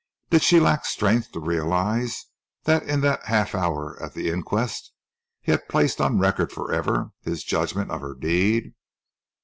Did she lack strength to realise that in that half hour at the inquest he had placed on record for ever his judgment of her deed?